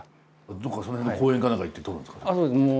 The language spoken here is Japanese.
どっかその辺の公園か何か行ってとるんですか？